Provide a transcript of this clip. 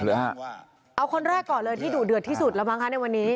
เอาคนแรกก่อนเลยที่ดุเดือดที่สุดแล้วมั้งคะในวันนี้